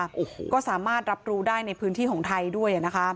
มันก็สามารถรับรู้ได้ในพื้นที่ของไทยด้วย